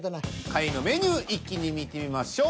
下位のメニュー一気に見てみましょう。